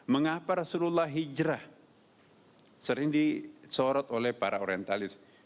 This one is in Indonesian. mengapa rasulullah hijrah sering disorot oleh para orientalis